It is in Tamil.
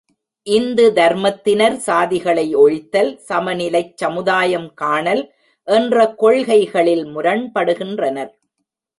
இந்து தர்மத்தினர் சாதிகளை ஒழித்தல், சமநிலைச் சமுதாயம் காணல் என்ற கொள்கைகளில் முரண்படுகின்றனர்.